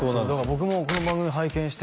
僕もこの番組拝見して